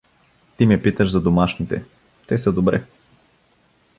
Ти ме питаш за домашните; те са добре.